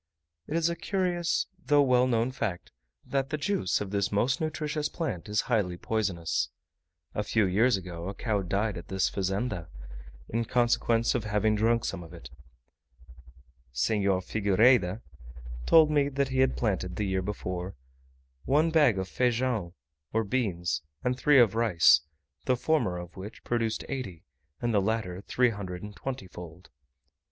It is a curious, though well known fact, that the juice of this most nutritious plant is highly poisonous. A few years ago a cow died at this Fazenda, in consequence of having drunk some of it. Senhor Figuireda told me that he had planted, the year before, one bag of feijao or beans, and three of rice; the former of which produced eighty, and the latter three hundred and twenty fold.